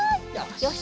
よし。